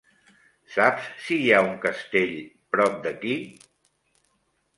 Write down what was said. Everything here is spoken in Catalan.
Saps si hi ha un castell prop d'aquí?